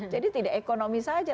jadi tidak ekonomi saja